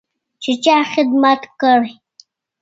چې چا خدمت کړی.